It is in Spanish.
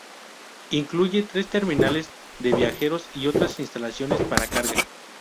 Incluye tres terminales de viajeros y otras instalaciones para carga.